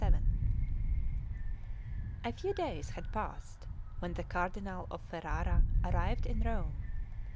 CXXVII A FEW days had passed when the Cardinal of Ferrara arrived in Rome.